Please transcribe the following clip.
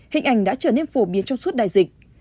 hình ảnh đã trở nên phổ biến trong suốt đại dịch